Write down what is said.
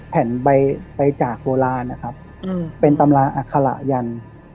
แผ่นใบใบจากโลลานะครับอืมเป็นตำราอาคาระยันต์